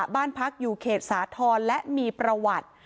บ้านพักอยู่เขตสาธรณ์และมีประวัติ